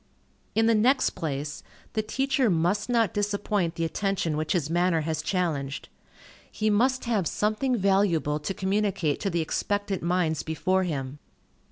In the next place, the teacher must not disappoint the attention which his manner has challenged. He must have something valuable to communicate to the expectant minds before him.